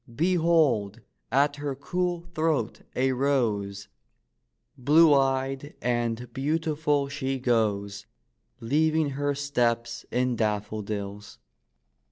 Behold, at her cool throat a rose, Blue eyed and beautiful she goes, Leaving her steps in daffodils.